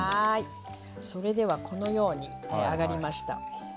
それではこのように揚がりました。